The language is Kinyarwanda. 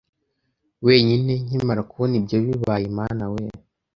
wenyine. Nkimara kubona ibyo bibaye, Mana we!